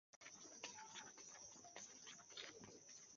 পাঁচশ টাকা দে তো।